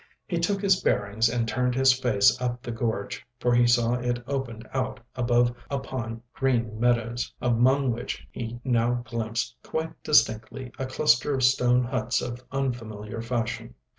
He took his bearings and turned his face up the gorge, for he saw it opened out above upon green meadows, among which he now glimpsed quite distinctly a cluster of stone huts of unfamiliar fashion.